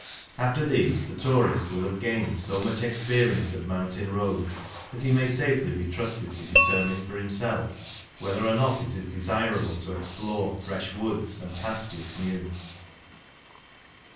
After these the tourist will have gained so much experience of mountain roads that he may safely be trusted to determine for himself whether or not it is desirable to explore fresh woods and pastures new.